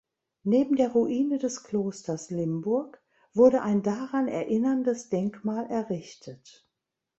Neben der Ruine des Klosters Limburg wurde ein daran erinnerndes Denkmal errichtet.